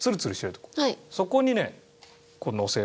そこにねこうのせる。